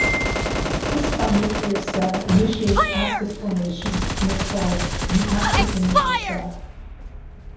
This binuclear cell initiates ascus formation and is called an "ascus-initial" cell.